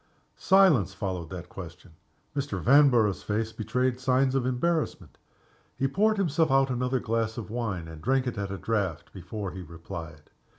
Silence followed that question. Mr. Vanborough's face betrayed signs of embarrassment. He poured himself out another glass of wine, and drank it at a draught before he replied.